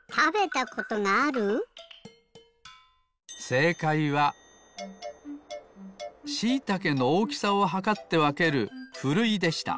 せいかいはしいたけのおおきさをはかってわけるふるいでした。